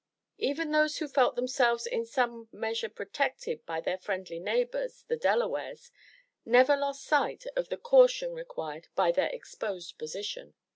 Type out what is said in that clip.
Even those who felt themselves in some measure protected by their friendly neighbors, the Delawares, never lost sight of the caution required by their exposed position.